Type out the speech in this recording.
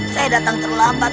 saya datang terlambat